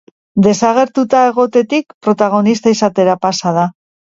Desagertuta egotetik protagonista izatera pasa da.